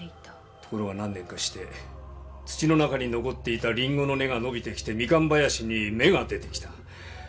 ところが何年かして土の中に残っていたリンゴの根が伸びてきてミカン林に芽が出てきた。